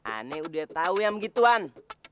aneh udah tahu yang begituan